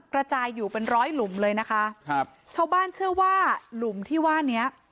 กระจายอยู่เป็นร้อยหลุมเลยนะคะครับชาวบ้านเชื่อว่าหลุมที่ว่าเนี้ย